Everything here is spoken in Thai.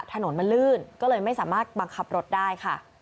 ถนนมันลื่นก็เลยไม่สามารถบังคับรถได้ค่ะ